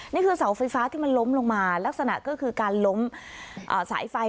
นี่คือเสาไฟฟ้าที่มันล้มลงมาลักษณะก็คือการล้มสายไฟ